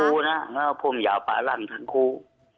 ครับทั้งคู่นะผมยาวผู้น้าป่ารั่งทั้งคู่